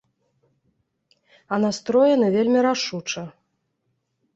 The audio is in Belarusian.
А настроены вельмі рашуча.